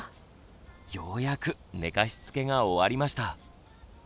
ようやく寝かしつけが終わりました。